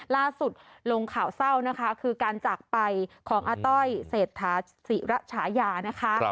ล่าสุดลงข่าวเศร้านะคะคือการจากไปของอาต้อยเศรษฐาศิระฉายานะคะ